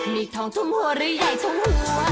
มีทองชุ่มหัวหรือใหญ่ชุมหัว